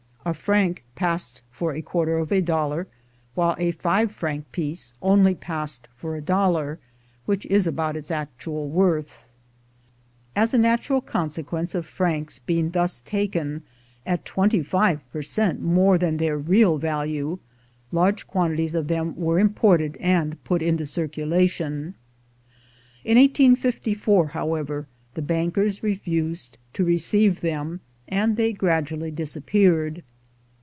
A franc passed for a quarter of a dollar while a five franc piece only passed for a dollar, which is about its actual worth. As a natural consequence of francs being thus taken at 25 per cent, more than their real value, large quantities of them were imported and put into circulation. In 1854, however, the bankers refused to receive them, and they gradually disap peared.